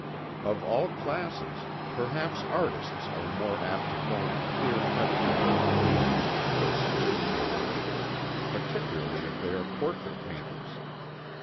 Of all classes, perhaps artists are more apt to form a clear cut image of the features of persons whom they meet particularly if they are portrait painters.